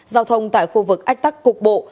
giao thông tại khu vực ách tắc cục bộ